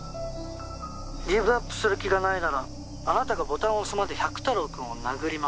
「ギブアップする気がないならあなたがボタンを押すまで百太郎くんを殴ります」